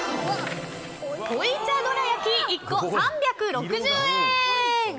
濃い茶どらやき１個、３６０円！